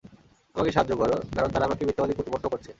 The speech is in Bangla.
আমাকে সাহায্য কর, কারণ তারা আমাকে মিথ্যাবাদী প্রতিপন্ন করছে।